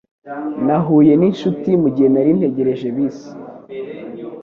Nahuye ninshuti mugihe nari ntegereje bisi.